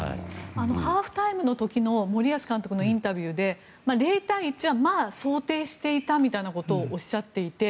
ハーフタイムの時の森保監督のインタビューで０対１はまあ想定していたみたいなことをおっしゃっていて。